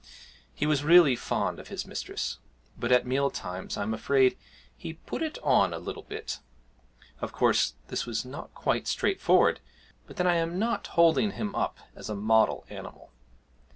He was really fond of his mistress, but at meal times I am afraid he 'put it on' a little bit. Of course this was not quite straightforward; but then I am not holding him up as a model animal.